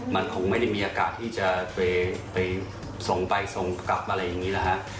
มันคงไม่ได้มีโอกาสที่จะไปส่งไปส่งกลับอะไรอย่างนี้นะฮะ